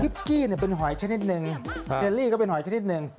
กิ๊บกี้เนี่ยเป็นหอยชนิดนึงเชอรี่ก็เป็นหอยชนิดนึง